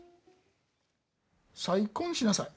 再婚しなさい。